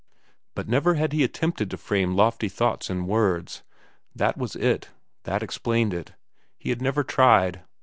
But never had he attempted to frame lofty thoughts in words. That was it. That explained it. He had never tried.